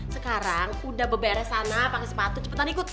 sekarang udah berberes sana pakai sepatu cepetan ikut